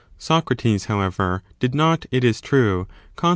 Socrates, however, did not, it is true, consti 4.